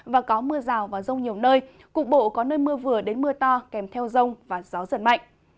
và có mưa rào và rông nhiều nơi cục bộ có nơi mưa vừa đến mưa to kèm theo rông và gió giật mạnh